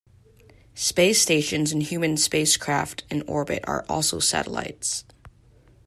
Space stations and human spacecraft in orbit are also satellites.